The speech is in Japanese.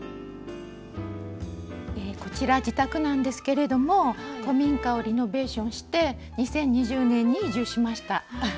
こちら自宅なんですけれども古民家をリノベーションして２０２０年に移住しました。